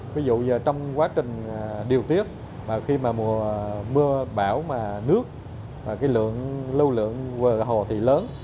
ví dụ trong quá trình điều tiết khi mà mùa mưa bão mà nước cái lượng lưu lượng hồ thì lớn